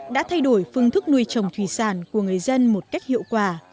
đã thay đổi phương thức nuôi trồng thủy sản của người dân một cách hiệu quả